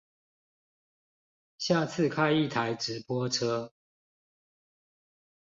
下次開一台直播車